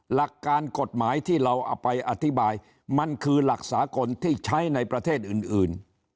หลักการกฎหมายที่เราเอาไปอธิบายมันคือหลักสากลที่ใช้ในประเทศอื่น